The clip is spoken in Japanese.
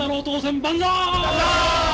万歳！